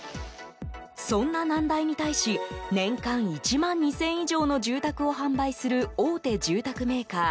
そんな難題に対し年間１万２０００以上の住宅を販売する大手住宅メーカー